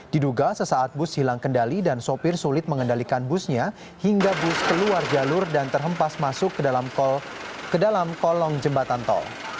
diduga sesaat bus hilang kendali dan sopir sulit mengendalikan busnya hingga bus keluar jalur dan terhempas masuk ke dalam kolong jembatan tol